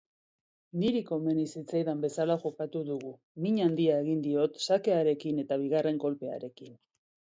Niri komeni zitzaidan bezala jokatu dugu. Min handia egin diot sakearekin eta bigarren kolpearekin.